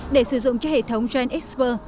để sử dụng cho hệ thống genxpert